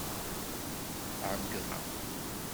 Ɛeyyḍeɣ.